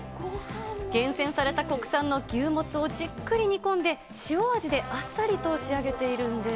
厳選された国産の牛もつをじっくり煮込んで、塩味であっさりと仕上げているんです。